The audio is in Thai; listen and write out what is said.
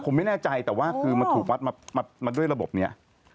ผมไม่แน่ใจแต่ว่าคือมันถูกวัดมาด้วยระบบนี้